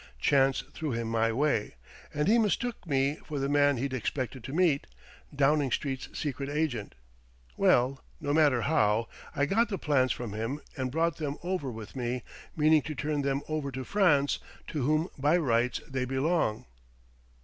Chance threw him my way, and he mistook me for the man he'd expected to meet Downing Street's secret agent. Well no matter how I got the plans from him and brought them over with me, meaning to turn them over to France, to whom by rights they belong."